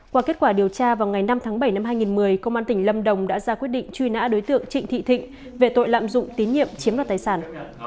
qua kết quả điều tra vào ngày năm tháng bảy năm hai nghìn một mươi công an tỉnh lâm đồng đã ra quyết định truy nã đối tượng trịnh thị thịnh về tội lạm dụng tín nhiệm chiếm đoạt tài sản